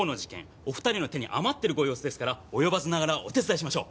お２人の手に余っているご様子ですから及ばずながらお手伝いしましょう！